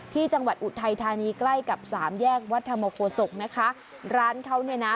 อุทัยธานีใกล้กับสามแยกวัดธรรมโคศกนะคะร้านเขาเนี่ยนะ